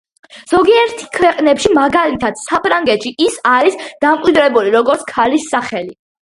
ზოგიერთ ქვეყნებში, მაგალითად საფრანგეთში, ის არის დამკვიდრებული, როგორც ქალის სახელი.